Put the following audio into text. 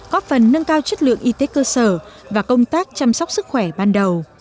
có phần nâng cao chất lượng y tế cơ sở và công tác chăm sóc sức khỏe ban đầu